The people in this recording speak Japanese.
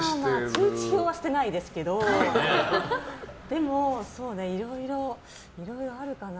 通知表は捨てないですけどでも、いろいろあるかな。